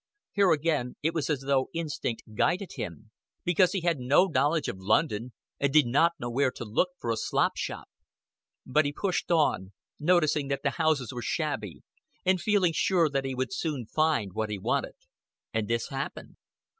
Here again it was as though instinct guided him, because he had no knowledge of London and did not know where to look for a slop shop; but he pushed on, noticing that the houses were shabby, and feeling sure that he would soon find what he wanted. And this happened.